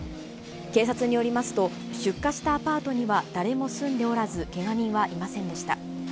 警察によりますと、出火したアパートには誰も住んでおらず、けが人はいませんでした。